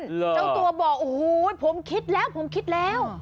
เจ้าตัวบอกโอ้โหผมคิดแล้ว